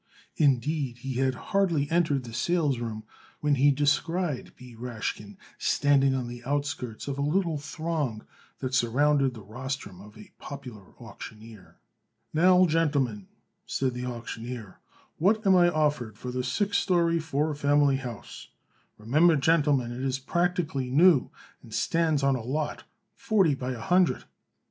Indeed, he had hardly entered the salesroom when he descried B. Rashkin standing on the outskirts of a little throng that surrounded the rostrum of a popular auctioneer. "Now, gentlemen," said the auctioneer, "what am I offered for this six story, four family house. Remember, gentlemen, it is practically new and stands on a lot forty by a hundred."